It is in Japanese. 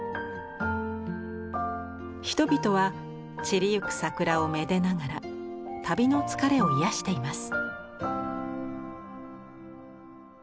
人々は散りゆく桜をめでながら旅の疲れを癒やしています。